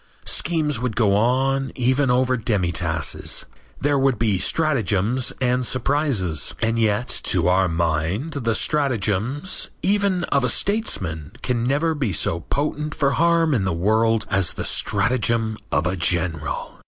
Schemes would go on even over demitasses. There would be stratagems and surprises. And yet to our mind the stratagem, even of a statesman, can never be so potent for harm in the world as the stratagem of a general.